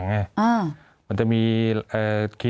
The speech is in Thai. มีความรู้สึกว่ามีความรู้สึกว่า